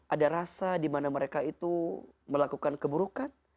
ada rasa dimana mereka itu melakukan keburukan